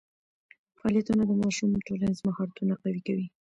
فعالیتونه د ماشوم ټولنیز مهارتونه قوي کوي.